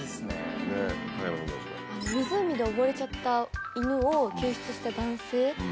湖で溺れちゃった犬を救出した男性。